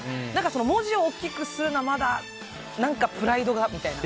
文字を大きくするのはまだプライドがみたいな。